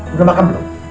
udah makan belum